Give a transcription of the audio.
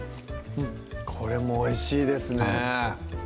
これもおいしいですね